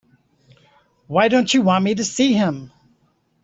Why don't you want me to see him?